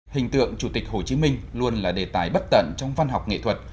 hình tượng chủ tịch hồ chí minh luôn là đề tài bất tận trong văn học nghệ thuật